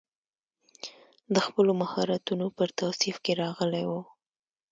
د خپلو مهارتونو پر توصیف کې راغلی و.